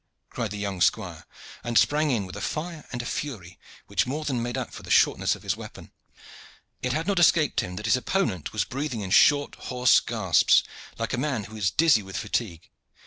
cried the young squire, and sprang in with a fire and a fury which more than made up for the shortness of his weapon. It had not escaped him that his opponent was breathing in short, hoarse gasps, like a man who is dizzy with fatigue.